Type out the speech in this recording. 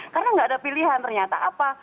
karena nggak ada pilihan ternyata apa